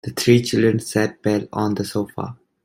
The three children sat pale on the sofa.